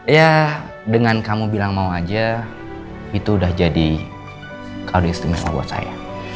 ya dengan kamu bilang mau aja itu udah jadi kado istimewa buat saya